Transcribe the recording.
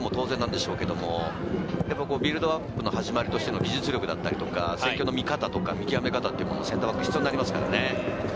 ディフェンスというのは当然ですが、ビルドアップの始まりとしての技術力だったりとか、戦況の見方とか、見極め方、センターバックは必要になりますからね。